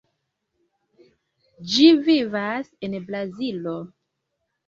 Ĝi vivas en Brazilo.